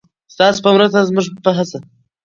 ستاسو په مرسته او زموږ په هڅه.